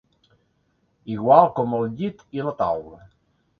Igual com el llit i la taula.